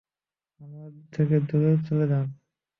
আমার থেকে দুরে চলে যান!